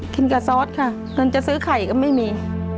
กินกับซอสค่ะเงินจะซื้อไข่ก็ไม่มี